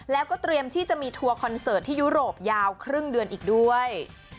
แล้วก็เตรียมที่จะมีทัวร์คอนเสิร์ตที่ยุโรปยาวครึ่งเดือนอีกด้วย